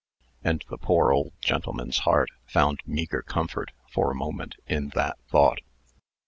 And the poor old gentleman's heart found meagre comfort, for a moment, in that thought.